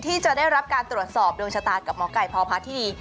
ที่จะได้รับการตรวจสอบดวงชะตากับหมอไก่พพธินี